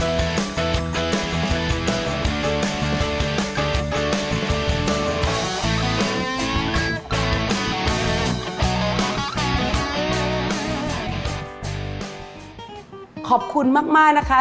ทุกขอบคุณมากมากนะคะ